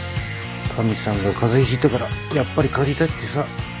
かみさんが風邪ひいたからやっぱり帰りたいってさ。